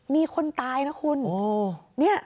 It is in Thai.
มีคนตายนะคุณ